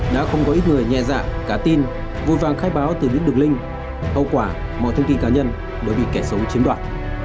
đã không có ít người nhẹ dạng cá tin vui vàng khai báo từ những đường linh hậu quả mọi thông tin cá nhân đều bị kẻ xấu chiếm đoạn